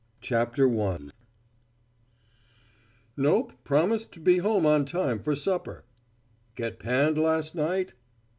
_ I JIM CONNOR "Nope, promised to be home on time for supper." "Get panned last night!"